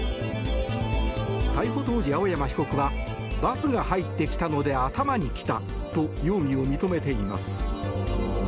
逮捕当時、青山被告はバスが入ってきたので頭にきたと容疑を認めています。